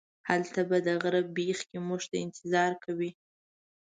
هلته به د غره بیخ کې موږ ته انتظار کوئ.